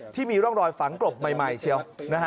ที่มีร่องรอยฝังกลบใหม่เชียว